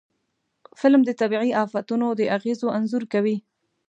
فلم د طبعي آفتونو د اغېزو انځور کوي